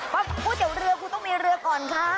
ก่อล่ะอิ้วเตี๋ยวเรือกูต้องมีเรือก่อนค่ะ